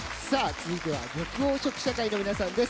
続いては緑黄色社会の皆さんです。